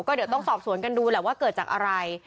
ก็เดี๋ยวต้องสอบสวนกันดูแหละว่าเกิดจากอะไร